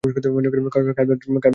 খায়বার যুদ্ধ এর মধ্যে অন্যতম।